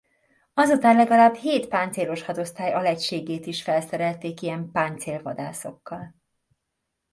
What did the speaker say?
Azután legalább hét páncéloshadosztály alegységét is felszerelték ilyen páncélvadászokkal.